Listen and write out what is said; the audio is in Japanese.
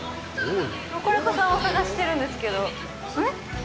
ロコレコさんを探しているんですけど。